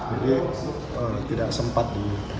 jadi tidak sempat digantung